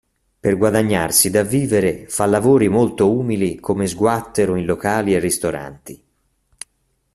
Per guadagnarsi da vivere fa lavori molto umili come sguattero in locali e ristoranti.